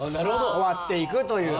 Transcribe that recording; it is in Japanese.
終わっていくという。